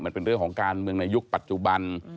มันเป็นเรื่องของการเมืองในยุคปัจจุบัน